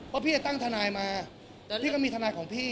เพราะพี่จะตั้งทนายมาแต่พี่ก็มีทนายของพี่